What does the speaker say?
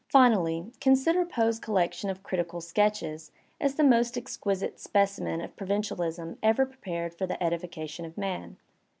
Finally, consider Poe's collection of critical sketches as "the most exquisite specimen of provincialism ever prepared for the edification of man."